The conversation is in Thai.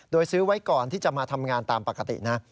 โดยซื้อไว้ก่อนที่จะมาทำงานตามปกตินะ